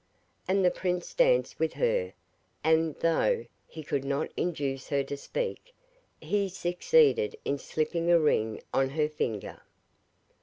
And the prince danced with her, and, though he could not induce her to speak, he succeeded in slipping a ring on her finger.